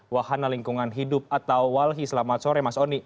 wahana lingkungan hidup atau walhi selamat sore mas oni